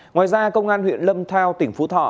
ngoài ra công an huyện lâm thao tỉnh phú thọ